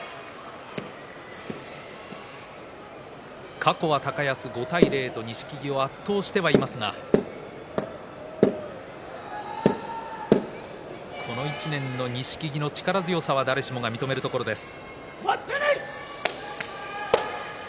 過去は高安圧倒していますがこの１年の錦木の力強さは誰しも認めるところです。